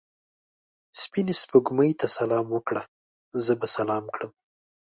سپینې سپوږمۍ ته سلام وکړه؛ زه به سلام کړم.